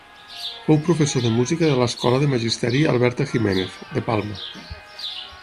Fou professor de música de l'Escola de Magisteri Alberta Giménez, de Palma.